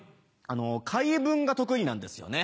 回文が得意なんですよね。